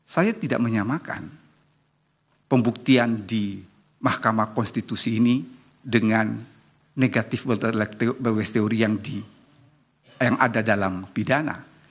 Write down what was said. saya tidak menyamakan pembuktian di mahkamah konstitusi ini dengan negatif teori yang ada dalam pidana